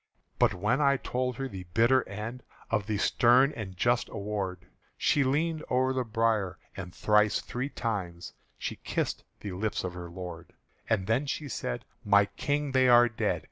But when I told her the bitter end Of the stern and just award, She leaned o'er the bier, and thrice three times She kissed the lips of her lord. And then she said, "My King, they are dead!"